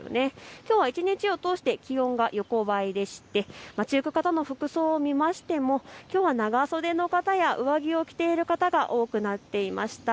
きょうは一日を通して気温が横ばいでして、街行く方の服装を見ましてもきょうは長袖の方や上着を着ている方が多くなっていました。